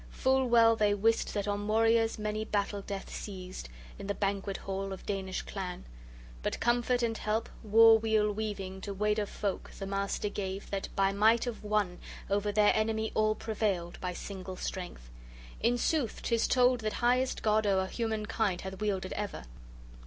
Full well they wist that on warriors many battle death seized, in the banquet hall, of Danish clan. But comfort and help, war weal weaving, to Weder folk the Master gave, that, by might of one, over their enemy all prevailed, by single strength. In sooth 'tis told that highest God o'er human kind hath wielded ever!